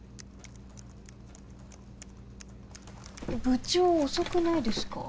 部長遅くないですか？